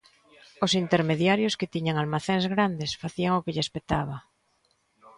Os intermediarios que tiñan almacéns grandes facían o que lles petaba.